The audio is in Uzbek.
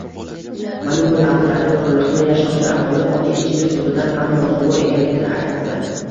Mana bu lavhalarda Bo‘stonliqda yashovchi aholi oddiy ichimlik suvidan ham mosuvo ekanligini aytmoqda.